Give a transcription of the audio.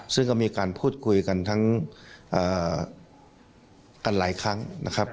ซึ่งก็มีการพูดคุยกันทั้งกันหลายครั้งนะครับ